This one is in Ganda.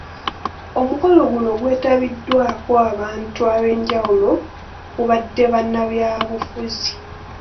Omukolo guno gwetabiddwako abantu abenjawulo okubadde bannabyabufuzi.